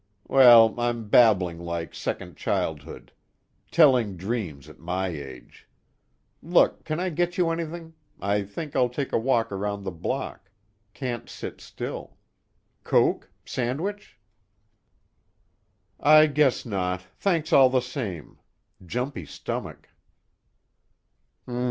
Well, I'm babbling like second childhood. Telling dreams, at my age! Look, can I get you anything? I think I'll take a walk around the block, can't sit still. Coke? Sandwich?" "I guess not, thanks all the same. Jumpy stomach."